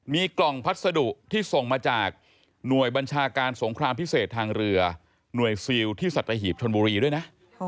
มีกล่องพัสดุที่ส่งมาจากหน่วยบัญชาการสงครามพิเศษทางเรือหน่วยซิลที่สัตหีบชนบุรีด้วยนะ